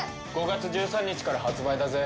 ５月１３日から発売だぜ。